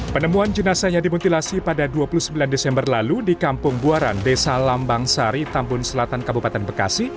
penemuan jenazahnya dimutilasi pada dua puluh sembilan desember lalu di kampung buaran desa lambang sari tambun selatan kabupaten bekasi